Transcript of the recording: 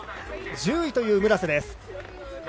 １０位という村瀬です。